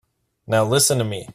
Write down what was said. Now listen to me.